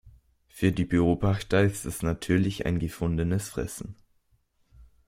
Für die Beobachter ist es natürlich ein gefundenes Fressen.